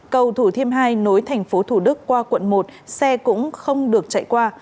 cầu thủ thiêm hai nối tp thủ đức qua quận một xe cũng không được chạy qua